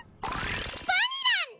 バニラン！